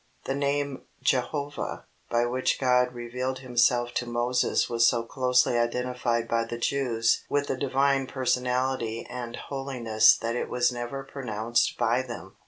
The Name, Jehovah, by which God revealed Himself to Moses was so closely identified by the Jews with the Divine Personality and Holiness that it was never pronounced by them.